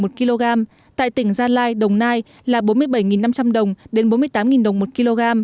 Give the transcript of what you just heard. một kg tại tỉnh gia lai đồng nai là bốn mươi bảy năm trăm linh đồng đến bốn mươi tám đồng một kg